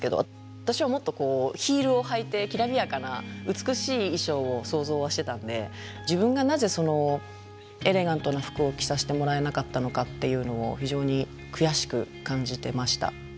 私はもっとこうヒールを履いてきらびやかな美しい衣装を想像はしてたんで自分がなぜエレガントな服を着させてもらえなかったのかっていうのを非常に悔しく感じてました。